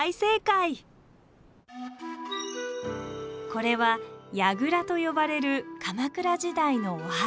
これは「やぐら」と呼ばれる鎌倉時代のお墓。